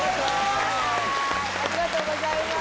ありがとうございます！